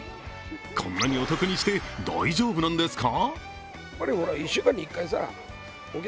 こんなにお得にして大丈夫なんですか？